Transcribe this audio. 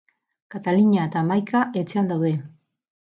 Katalina eta Maika etxean daude.